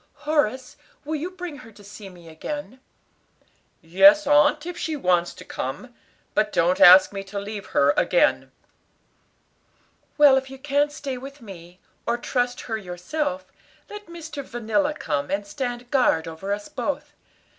"Horace, will you bring her to see me again?" "Yes, aunt, if she wants to come. But don't ask me to leave her again." "Well, if you can't stay with me, or trust her yourself, let Mr. Vanilla come and stand guard over us both.